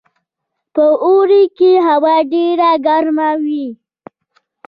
په اوړي کې هوا ډیره ګرمه وي